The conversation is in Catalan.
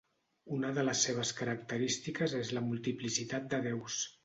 Una de les seves característiques és la multiplicitat de déus.